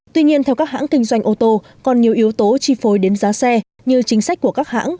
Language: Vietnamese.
tuy nhiên theo các hãng kinh doanh ô tô còn nhiều yếu tố chi phối đến giá xe như chính sách của các hãng